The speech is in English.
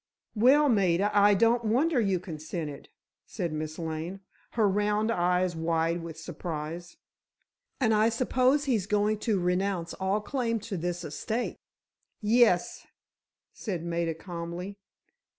"Well, Maida, I don't wonder you consented," said Miss Lane, her round eyes wide with surprise. "And I suppose he's going to renounce all claim to this estate?" "Yes," said Maida, calmly.